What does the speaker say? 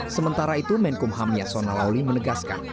sementara itu menkumham yasona lawli menegaskan